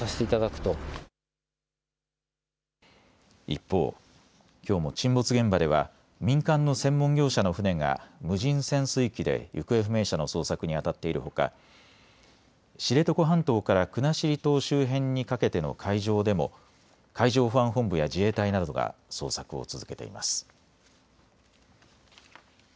一方、きょうも沈没現場では民間の専門業者の船が無人潜水機で行方不明者の捜索にあたっているほか知床半島から国後島周辺にかけての海上でも海上保安本部や自衛隊などが捜索を続けています。